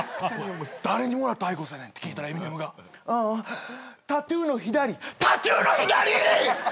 「誰にもらったＩＱＯＳやねん」って聞いたらエミネムが「ああｔ．Ａ．Ｔ．ｕ．の左」ｔ．Ａ．Ｔ．ｕ．の左！